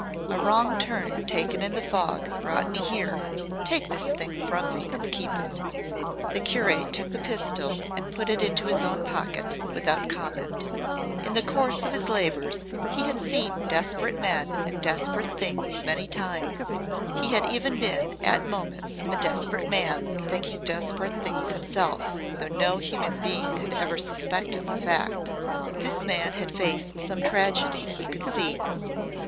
A wrong turn taken in the fog brought me here. Take this thing from me and keep it." The curate took the pistol and put it into his own pocket without comment. In the course of his labors he had seen desperate men and desperate things many times. He had even been at moments a desperate man thinking desperate things himself, though no human being had ever suspected the fact. This man had faced some tragedy, he could see.